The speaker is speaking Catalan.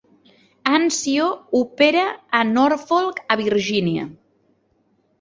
"Anzio" opera a Norfolk a Virgínia.